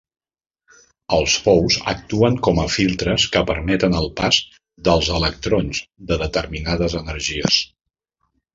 Els pous actuen com a filtres que permeten el pas dels electrons de determinades energies.